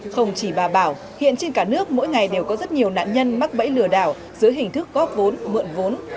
không chỉ bà bảo hiện trên cả nước mỗi ngày đều có rất nhiều nạn nhân mắc bẫy lừa đảo dưới hình thức góp vốn mượn vốn